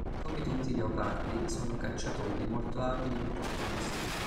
Come tutti i leopardi, sono cacciatori molto abili e opportunisti.